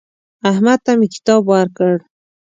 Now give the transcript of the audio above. احمد ته مې کتاب ورکړ.